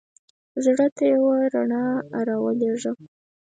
زړه ته یوه رڼا را ولېږه.